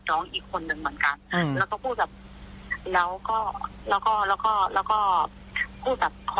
ก็พูดแบบ